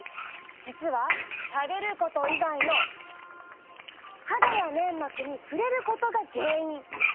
実は食べること以外の肌や粘膜に触れることが原因。